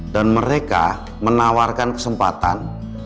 dan mereka menawarkan kesempatan